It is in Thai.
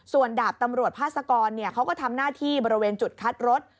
ส่วนดาบตำรวจพาสกรเขาก็ทำหน้าที่บริเวณจุดคัดรถ